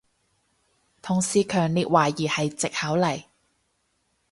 同事強烈懷疑係藉口嚟